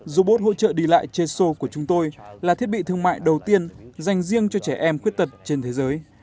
robot hỗ trợ đi lại cheso của chúng tôi là thiết bị thương mại đầu tiên dành riêng cho trẻ em khuyết tật trên thế giới